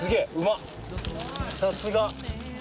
さすが！